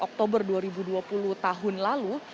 oktober dua ribu dua puluh tahun lalu